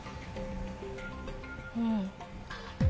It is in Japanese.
うん。